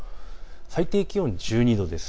最低気温１２度です。